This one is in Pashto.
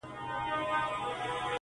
هغه نجلۍ چي هر ساعت به یې پوښتنه کول!!